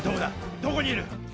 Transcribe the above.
どこにいる？